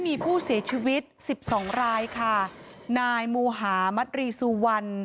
มีผู้เสียชีวิตสิบสองรายค่ะนายมูหามัตรีสุวรรณ